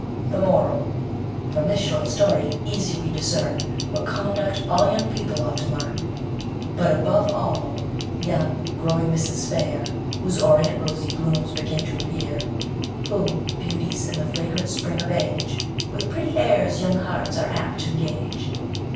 The Moral _From this short story easy we discern What conduct all young people ought to learn. But above all, young, growing misses fair, Whose orient rosy blooms begin t'appear: Who, beauties in the fragrant spring of age, With pretty airs young hearts are apt t'engage.